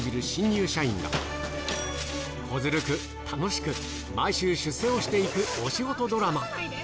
新入社員が、こずるく、楽しく、毎週出世をしていくお仕事ドラマ。